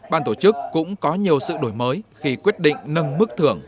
ban tổ chức cũng có nhiều sự đổi mới khi quyết định nâng mức thưởng